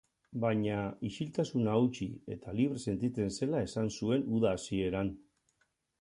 Baina, isiltasuna hautsi eta libre sentitzen zela esan zuen uda hasieran.